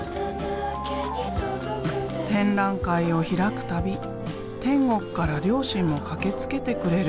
展覧会を開く度天国から両親も駆けつけてくれる。